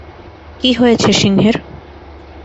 কি হয়েছে সিংহের?